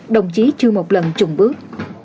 đồng chí chưa một lần trùng bước